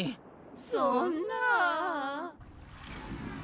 そんな。